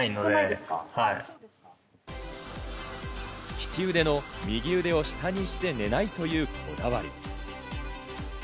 利き腕の右を下にして寝ないというこだわり。